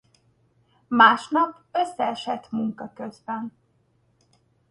Másnap összeesett munka közben.